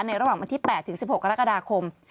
ระหว่างวันที่๘ถึง๑๖กรกฎาคม